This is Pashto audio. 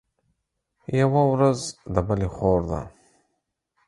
يوه ورځ د بلي خور ده.